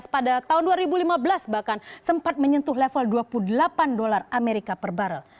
pada tahun dua ribu lima belas bahkan sempat menyentuh level dua puluh delapan dolar amerika per barrel